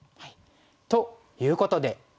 ということで。